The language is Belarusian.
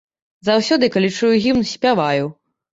Заўсёды, калі чую гімн, спяваю.